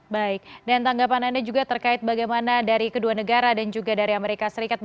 baik dan tanggapan anda juga terkait bagaimana dari kedua negara dan juga dari amerika serikat